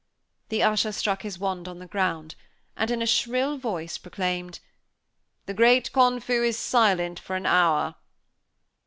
The usher struck his wand on the ground, and, in a shrill voice, proclaimed: "The great Confu is silent for an hour."